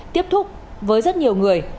tiếp thúc với rất nhiều người